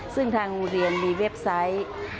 ซึ่งทางโรงเรียนมีเว็บไซต์